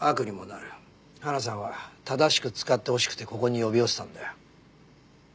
花さんは正しく使ってほしくてここに呼び寄せたんだよ。